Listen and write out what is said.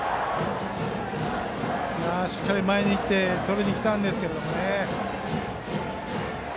しっかり前に来てとりにきたんですけどね。